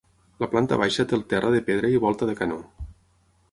La planta baixa té el terra de pedra i volta de canó.